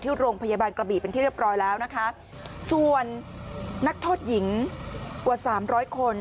ที่โรงพยาบาลกระบี่เป็นที่เรียบร้อยแล้วนะคะส่วนนักโทษหญิงกว่าสามร้อยคน